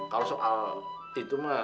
kalau soal itu mah